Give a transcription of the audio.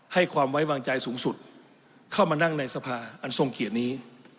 ให้ความไว้วางใจสูงสุดเข้ามานั่งในสภาอันทรงเขียนนี้